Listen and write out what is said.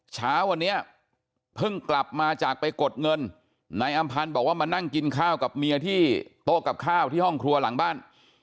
เช้าวันนี้เพิ่งกลับมาจากไปกดเงินนายอำพันธ์บอกว่ามานั่งกินข้าวกับเมียที่โต๊ะกับข้าวที่ห้องครัวหลังบ้าน